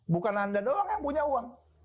bukan anda doang yang punya uang